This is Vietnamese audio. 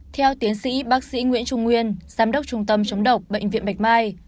theo tiến sĩ bác sĩ nguyễn trung nguyên giám đốc trung tâm chống độc bệnh viện bạch mai